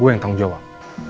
gue yang tanggung jawab